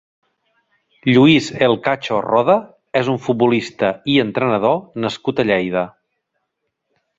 Lluís Elcacho Roda és un futbolista i entrenador nascut a Lleida.